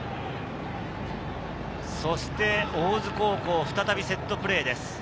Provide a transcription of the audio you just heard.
そして大津高校、再びセットプレーです。